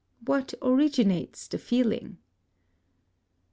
What originates the feeling?